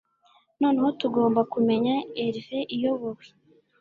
Noneho tugomba kumenya elve iyobowe